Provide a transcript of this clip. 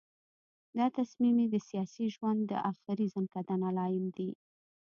دا تصمیم یې د سیاسي ژوند د آخري ځنکدن علایم دي.